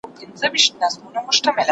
ډیپلوماسي د هېواد د وقار استازې ده.